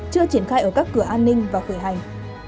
chưa triển khai ở các cửa an ninh và khởi hành